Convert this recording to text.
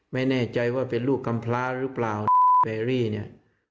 ไม่แน่ใจว่าเป็นลูกกำพลาหรือเปล่าเบรี่เนี่ย